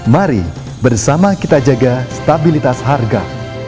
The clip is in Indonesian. mari bersama kita jaga stabilitas harga